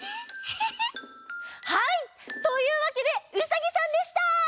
はいというわけでウサギさんでした！